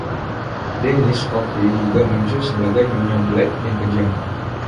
Denise Coffey juga muncul sebagai Nyonya Black yang kejam.